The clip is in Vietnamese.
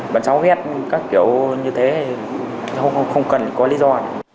bọn cháu ghét các kiểu như thế thì không cần có lý do